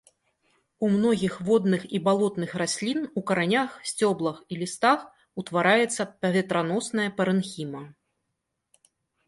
У многіх водных і балотных раслін у каранях, сцёблах, лістах утвараецца паветраносная парэнхіма.